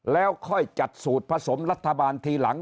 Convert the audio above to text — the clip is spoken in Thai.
แล้วค่อยจัดสูตรผสมรัฐบาลทีหลัง